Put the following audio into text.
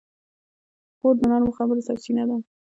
خور د نرمو خبرو سرچینه ده.